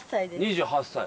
２８歳。